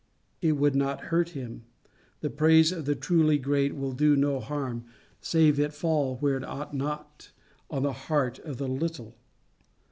It would not hurt him. The praise of the truly great will do no harm, save it fall where it ought not, on the heart of the little.